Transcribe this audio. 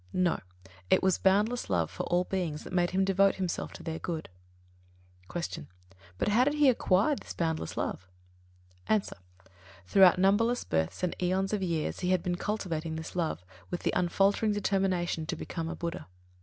No; it was boundless love for all beings that made him devote himself to their good. 29. Q. But how did he acquire this boundless love? A. Throughout numberless births and aeons of years he had been cultivating this love, with the unfaltering determination to become a Buddha.